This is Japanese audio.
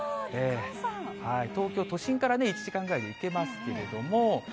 東京都心から１時間ぐらいで行けますけども。